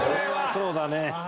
そうだね。